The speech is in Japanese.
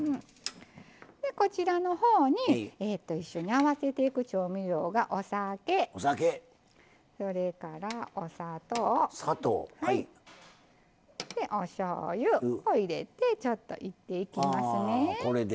こちらのほうに一緒に合わせていく調味料がお酒それから、お砂糖おしょうゆを入れてちょっと、いっていきますね。